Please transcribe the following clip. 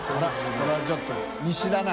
これはちょっと西だな。